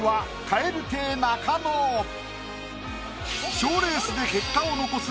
賞レースで結果を残す